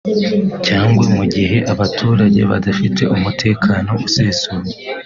cyangwa mu gihe abaturage badafite umutekano usesuye